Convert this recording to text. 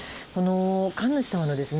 神主様のですね